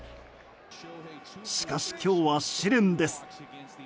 しかし、今日は試練です。